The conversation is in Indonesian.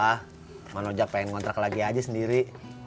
emang ojak pengen kontrak lagi aja sendiri